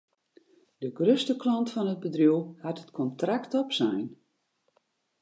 De grutste klant fan it bedriuw hat it kontrakt opsein.